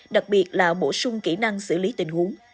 đặc biệt là bổ sung kỹ năng xử lý tình huống